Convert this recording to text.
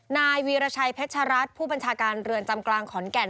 นายวีรชัยเพชรัตน์ผู้บัญชาการเรือนจำกลางขอนแก่น